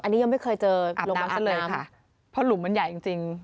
อันนี้ยังไม่เคยเจอหลุมน้ำซะเลยค่ะเพราะหลุมมันใหญ่จริงจริง